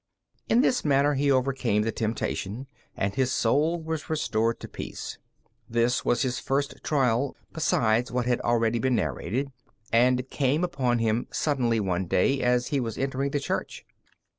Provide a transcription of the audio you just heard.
In this manner he overcame the temptation, and his soul was restored to peace. This was his first trial besides what has already been narrated, and it came upon him suddenly one day as he was entering the church.